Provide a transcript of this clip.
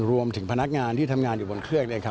รวมถึงพนักงานที่ทำงานอยู่บนเครือก